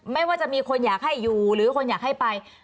ไม่ว่าจะมีคนอยากให้อยู่หรือคนอยากให้ไป